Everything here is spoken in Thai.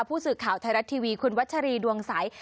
ผู้สื่อข่าวไทยรัฐทีวีคุณวัชรีดวงใส